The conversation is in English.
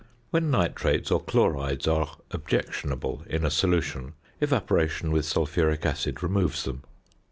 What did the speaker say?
When nitrates or chlorides are objectionable in a solution, evaporation with sulphuric acid removes them.